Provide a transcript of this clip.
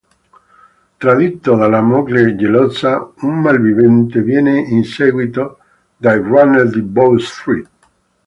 Tradito dalla moglie gelosa, un malvivente viene inseguito dai Runner di Bow Street.